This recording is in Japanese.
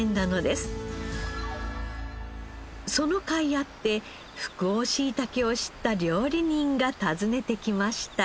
そのかいあって福王しいたけを知った料理人が訪ねてきました。